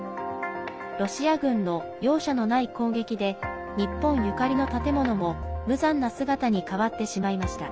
ロシア軍の容赦のない攻撃で日本ゆかりの建物も無残な姿に変わってしまいました。